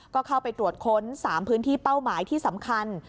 ก็เข้าไปตรวจค้น๓พื้นที่เป้าหมายที่สำคัญ